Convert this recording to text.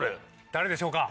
誰でしょうか？